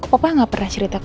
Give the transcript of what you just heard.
bapak gak pernah cerita ke aku